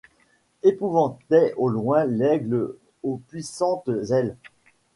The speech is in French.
Epouvantaient au loin l'aigle aux puissantes ailes